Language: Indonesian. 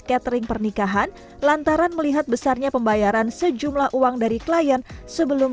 catering pernikahan lantaran melihat besarnya pembayaran sejumlah uang dari klien sebelum